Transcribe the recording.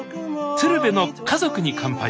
「鶴瓶の家族に乾杯」。